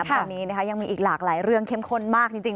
ตอนนี้ยังมีอีกหลากหลายเรื่องเข้มข้นมากจริง